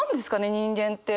人間って。